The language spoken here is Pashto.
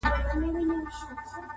يار ژوند او هغه سره خنـديږي~